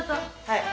はい。